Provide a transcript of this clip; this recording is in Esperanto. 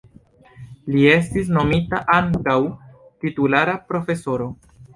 Li estis nomita ankaŭ titulara profesoro.